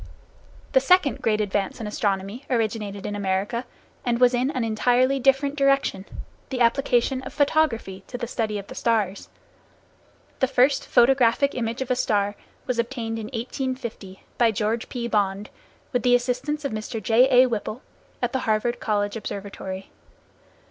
The second great advance in astronomy originated in America, and was in an entirely different direction, the application of photography to the study of the stars. The first photographic image of a star was obtained in 1850, by George P. Bond, with the assistance of Mr. J.A. Whipple, at the Harvard College Observatory.